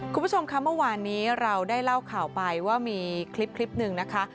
คุณผู้ชมค่ะเมื่อวานนี้เราได้เล่าข่าวไปว่ามีคลิปหนึ่งนะคะ